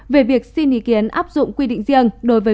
về việc xin ý kiến